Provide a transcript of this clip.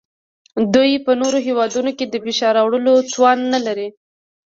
دوی په نورو هیوادونو د فشار راوړلو توان نلري